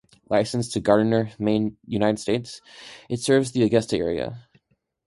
Licensed to Gardiner, Maine, United States, it serves the Augusta area.